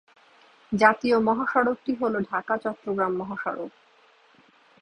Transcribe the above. জাতীয় মহাসড়কটি হলো ঢাকা-চট্টগ্রাম মহাসড়ক।